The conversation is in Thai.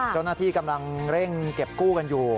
เจ้าหน้าที่กำลังเร่งเก็บกู้กันอยู่